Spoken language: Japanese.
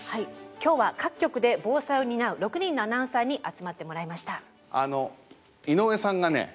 今日は各局で防災を担う６人のアナウンサーに集まってもらいました。